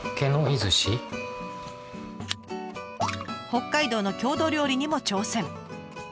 北海道の郷土料理にも挑戦。